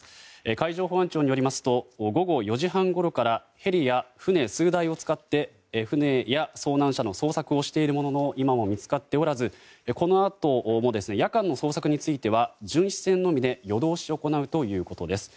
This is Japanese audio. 海上保安庁によりますと午後４時半ごろからヘリや船、数台を使って船や遭難者の捜索をしているものの今も見つかっておらずこのあとも夜間の捜索については巡視船のみで夜通し行うということです。